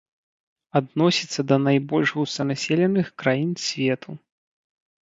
Адносіцца да найбольш густанаселеных краін свету.